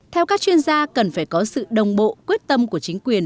theo các chuyên gia cần phải có sự đồng bộ quyết tâm của chính quyền